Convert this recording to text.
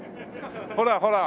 ほらほら。